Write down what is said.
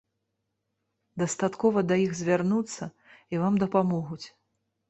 Дастаткова да іх звярнуцца, і вам дапамогуць.